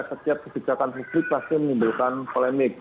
setiap kebijakan publik pasti menimbulkan polemik